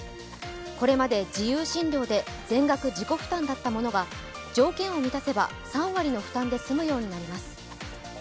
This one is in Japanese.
これまで自由診療で全額自己負担だったものが条件を満たせば３割の負担で済むようになります。